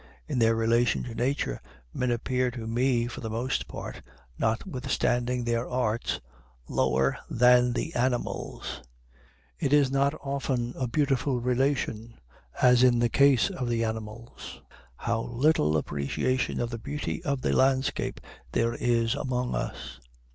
In their relation to Nature men appear to me for the most part, notwithstanding their arts, lower than the animals. It is not often a beautiful relation, as in the case of the animals. How little appreciation of the beauty of the landscape there is among us!